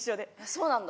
そうなんだ。